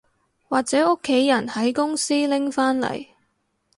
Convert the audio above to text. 或者屋企人喺公司拎返嚟